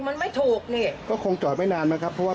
มันไม่ถูกนี่ก็คงจอดไม่นานมั้งครับเพราะว่า